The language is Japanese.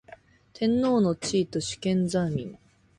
天皇の地位と主権在民